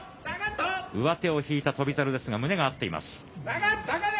上手を引いた翔猿ですが、胸が合っています。